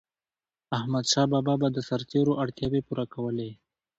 احمدشاه بابا به د سرتيرو اړتیاوي پوره کولي.